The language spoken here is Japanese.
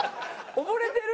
溺れてる？